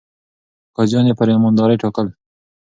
قاضيان يې پر ايماندارۍ ټاکل.